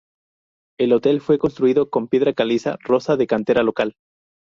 El hotel fue construido con piedra caliza rosa de cantera local.